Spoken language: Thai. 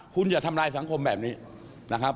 คุณอย่าทำลายสังคมแบบนี้นะครับ